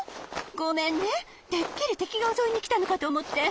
ごめんねてっきりてきがおそいにきたのかとおもって。